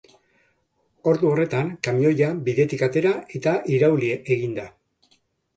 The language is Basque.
Ordu horretan, kamioia bidetik atera eta irauli egin da.